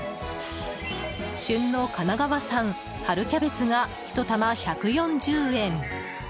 旬の神奈川産春キャベツが１玉１４０円。